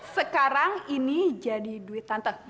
sekarang ini jadi duit tante